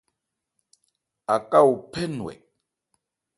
Aká ophɛ́ nnwɛ.